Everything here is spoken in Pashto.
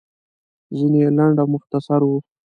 ځينې يې لنډ او مختصر وو.